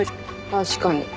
確かに。